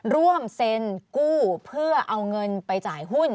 ร่วมเซ็นกู้เพื่อเอาเงินไปจ่ายหุ้น